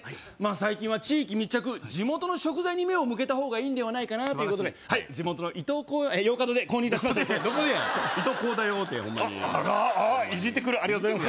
最近は地域密着地元の食材に目を向けた方がいいということで地元のイトーコーヨーカドーで購入いたしましてどこやイトーコータヨーってホンマにあらイジってくるありがとうございます